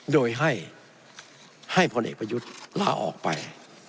โดยให้พลเอกประยุทธ์ลาออกไป